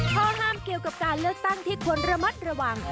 ข้อห้ามเกี่ยวกับการเลือกตั้งที่ควรระมัดระวัง